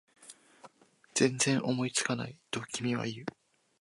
全然思いつかない？と君は言う